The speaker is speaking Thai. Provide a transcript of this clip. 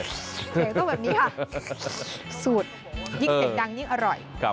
เก๋ต้มแบบนี้ค่ะสุดยิ่งเก๋กดังยิ่งอร่อย